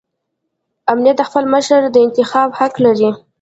امت د خپل مشر د انتخاب حق لري.